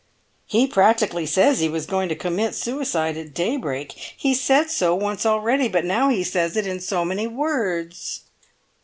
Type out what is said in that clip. "He practically says he was going to commit suicide at daybreak! He's said so once already, but now he says it in so many words!"